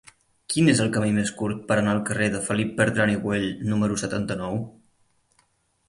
Quin és el camí més curt per anar al carrer de Felip Bertran i Güell número setanta-nou?